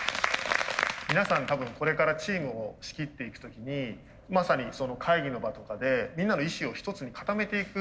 皆さん多分これからチームを仕切っていく時にまさにその会議の場とかでみんなの意思を一つに固めていく場面があると思うんですね。